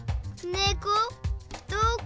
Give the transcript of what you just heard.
ねこどこ？